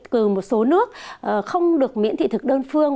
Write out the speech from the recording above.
kể từ một số nước không được miễn thị thực đơn phương